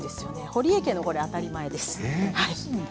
ほりえ家の当たり前です。